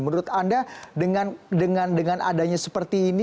menurut anda dengan adanya seperti ini